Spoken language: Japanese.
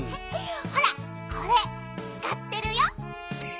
ほらこれつかってるよ。